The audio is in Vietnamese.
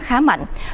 khá là nhiều